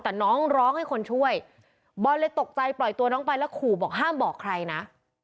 แต่น้องร้องให้คนช่วยบอลเลยตกใจปล่อยตัวน้องไปแล้วขู่บอกห้ามบอกใครนะ